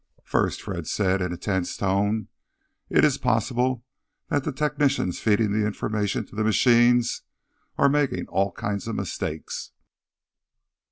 "First," Fred said in a tense tone, "it's possible that the technicians feeding information to the machines are making all kinds of mistakes."